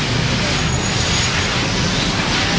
สุดท้ายสุดท้ายสุดท้าย